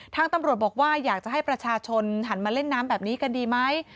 ทางตำรวจบอกว่าอยากจะให้ประชาชนหันมาเล่นน้ำแบบนี้กันดีไหม